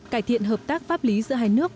cải thiện hợp tác pháp lý giữa hai nước